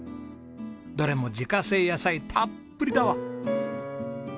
どれも自家製野菜たっぷりだわ。